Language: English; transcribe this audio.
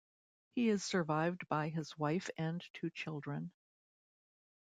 He is survived by his wife and two children.